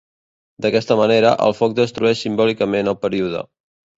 D'aquesta manera, el foc destrueix simbòlicament el període.